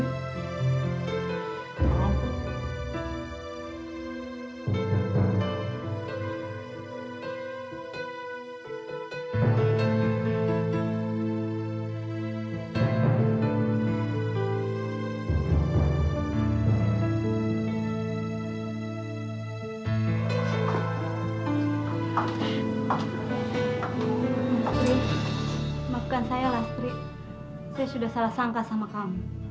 saya sudah salah satu kali